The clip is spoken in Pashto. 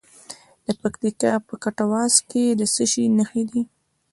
د پکتیکا په کټواز کې د څه شي نښې دي؟